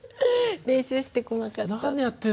練習してこなかった。